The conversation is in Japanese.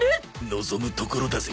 望むところだぜ